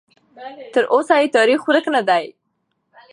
تراوسه یې تاریخ ورک نه دی.